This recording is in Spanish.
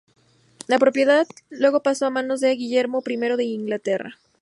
La propiedad luego pasó a manos de Guillermo I de Inglaterra.